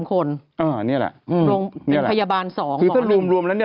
คลิปทวิตเตอร์รวมรวมแล้วเนี่ย